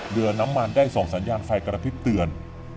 เรือน้ำมันได้ส่งสัญญาณไฟกระพริบเตือน